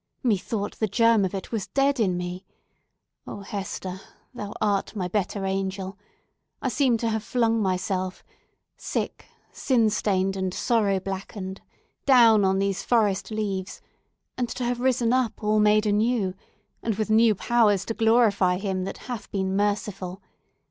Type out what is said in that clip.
"Methought the germ of it was dead in me! Oh, Hester, thou art my better angel! I seem to have flung myself—sick, sin stained, and sorrow blackened—down upon these forest leaves, and to have risen up all made anew, and with new powers to glorify Him that hath been merciful!